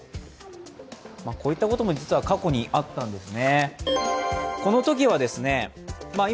こういったことも過去にあったんですね。